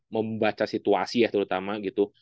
membaca situasi ya terutama gitu